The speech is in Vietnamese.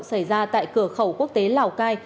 xảy ra tại cửa khẩu quốc tế lào cai